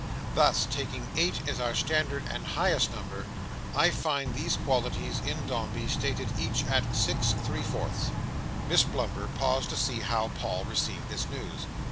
Thus, taking eight as our standard and highest number, I find these qualities in Dombey stated each at six three fourths!" Miss Blimber paused to see how Paul received this news.